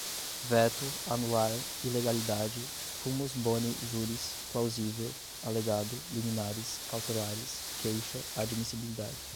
veto, anular, ilegalidade, fumus boni juris, plausível, alegado, liminares, cautelares, queixa, admissibilidade